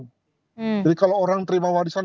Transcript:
jadi kalau orang terima warisan